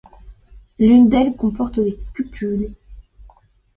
L'un d'elles comporte des cupules.